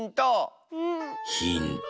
ヒント。